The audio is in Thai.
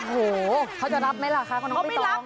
โหเขาจะรับไหมล่ะคะคุณน้องใบตอง